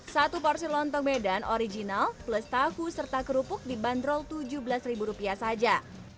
satu porsi lontong medan original plus tahu serta kerupuk dibanderol tujuh belas saja